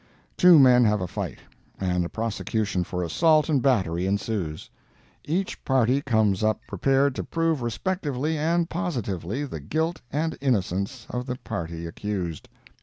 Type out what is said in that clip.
Two men have a fight, and a prosecution for assault and battery ensues. Each party comes up prepared to prove respectively and positively the guilt and innocence of the party accused.